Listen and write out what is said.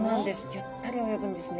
ゆったり泳ぐんですね。